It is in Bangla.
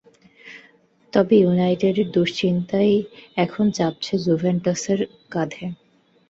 তবে ইউনাইটেডের দুশ্চিন্তাই এখন চাপছে জুভেন্টাসের কাঁধে।